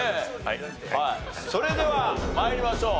それでは参りましょう。